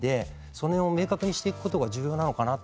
その辺を明確にしていくことが重要なのかなって。